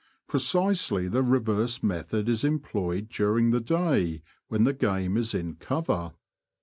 Precisely the reverse method is employed during the day when the game is in cover.